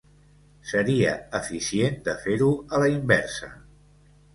Seria eficient de fer-ho a la inversa.